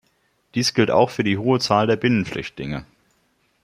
Dies gilt auch für die hohe Zahl der Binnenflüchtlinge.